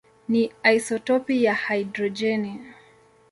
ni isotopi ya hidrojeni.